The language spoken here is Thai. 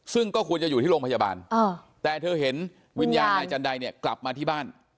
ซึ่งก็ควรจะอยู่ที่โรงพยาบาลแต่เธอเห็นวิญญาณนายจันไดเนี่ยกลับมาที่บ้าน